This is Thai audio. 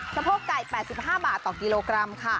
สะโพกไก่๘๕บาทต่อกิโลกรัมค่ะ